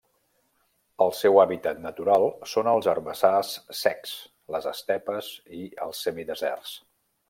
El seu hàbitat natural són els herbassars secs, les estepes i els semideserts.